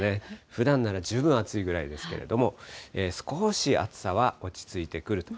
ふだんなら十分暑いぐらいですけれども、少し暑さは落ち着いてくると。